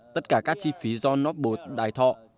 tất cả các chi phí do nó bột đài thọ